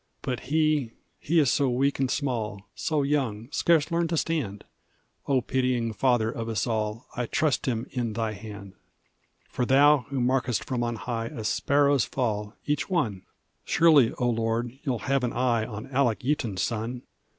"But he, he is so weak and small, So young, scarce learned to stand O pitying Father of us all, I trust him in Thy hand! "For Thou, who markest from on high A sparrow's fall each one! Surely, O Lord, thou'lt have an eye On Alec Yeaton's son!"